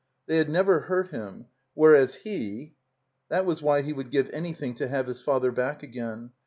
They had never hurt him. Whereas he — That was why he would give anjrthing to have his father back again.